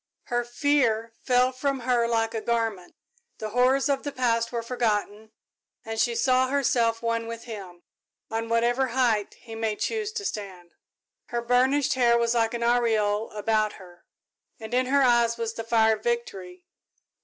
Her fear fell from her like a garment, the horrors of the past were forgotten, and she saw herself one with him, on whatever height he might choose to stand. Her burnished hair was like an aureole about her, and in her eyes was the fire of victory.